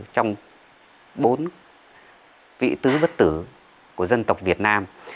trong bốn vị tứ bất tử của dân tộc việt nam